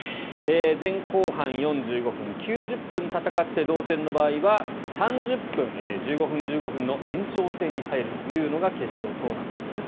前後半４５分、９０分戦って同点の場合は３０分、１５分１５分の延長戦に入るというのが決勝トーナメントです。